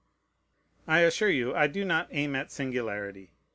I assure you I do not aim at singularity.